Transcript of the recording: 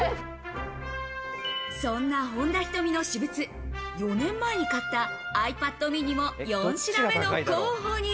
そんな本田仁美の私物、４年前に買ったｉＰａｄｍｉｎｉも４品目の候補に。